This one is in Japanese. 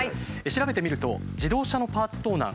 調べてみると自動車のパーツ盗難